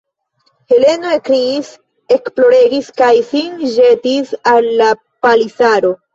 Heleno ekkriis, ekploregis kaj sin ĵetis al la palisaro.